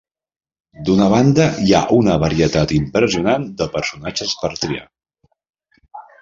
D'una banda, hi ha una varietat impressionant de personatges per triar.